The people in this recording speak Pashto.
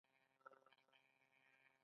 پۀ خپل ابائي کلي کښې پاتې شوے دے ۔